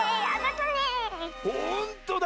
ほんとだ！